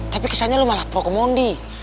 tapi kesannya lo malah prokomodi